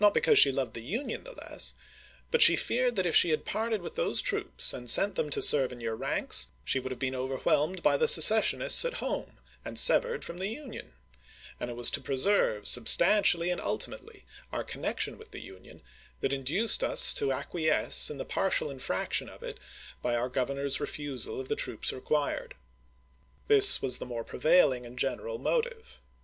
use she loved the Union the less, but she feared that if she had parted with those troops, and sent them to serve in your ranks, she would have been overwhelmed by the secessionists at home and severed from the Union; and it was to pre serve, substantially and ultimately, our connection with the Union that induced us to acquiesce in the partial infraction of it by our Governor's refusal of the troops required. This was the most prevailing and general motive.